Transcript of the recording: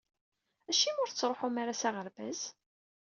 Acimi ur tettruḥum ara s aɣerbaz?